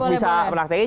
untuk bisa praktekin